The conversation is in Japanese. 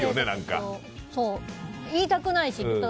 言いたくないし。